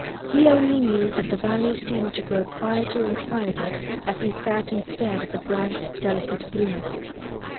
He only knew that the valley seemed to grow quieter and quieter as he sat and stared at the bright delicate blueness.